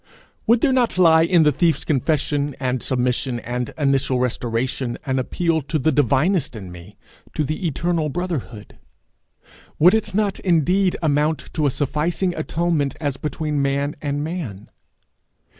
Would there not lie, in the thief's confession and submission and initial restoration, an appeal to the divinest in me to the eternal brotherhood? Would it not indeed amount to a sufficing atonement as between man and man?